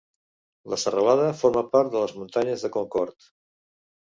La serralada forma part de les muntanyes de Concord.